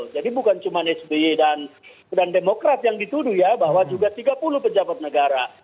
jadi bukan cuma sbi dan demokrat yang dituduh ya bahwa juga tiga puluh pejabat negara